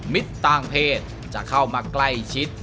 ต่างเพศจะเข้ามาใกล้ชิด